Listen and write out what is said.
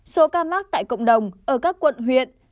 số ca mắc tại cộng đồng ở các quận huyện